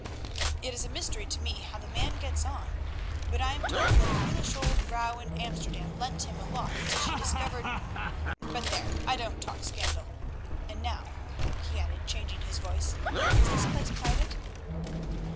It is a mystery to me how the man gets on, but I am told that a foolish old vrouw in Amsterdam lent him a lot till she discovered—but there, I don't talk scandal. And now," he added, changing his voice, "is this place private?"